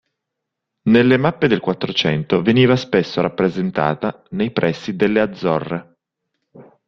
Nelle mappe del Quattrocento veniva spesso rappresentata nei pressi delle Azzorre.